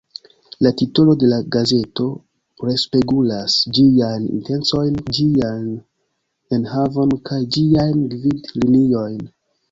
La titolo de la gazeto respegulas ĝiajn intencojn, ĝian enhavon kaj ĝiajn gvid-liniojn.